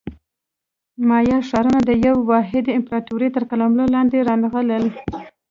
مایا ښارونه د یوې واحدې امپراتورۍ تر قلمرو لاندې رانغلل